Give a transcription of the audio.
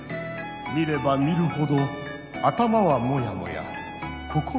見れば見るほど頭はモヤモヤ心もモヤモヤ。